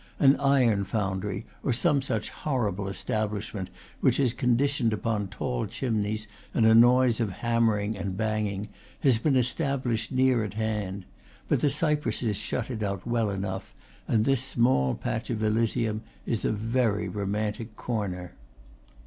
An iron foundry, or some hor rible establishment which is conditioned upon tall chimneys and a noise of hammering and banging, has been established near at hand; but the cypresses shut it out well enough, and this small patch of Elysium is a very romantic corner.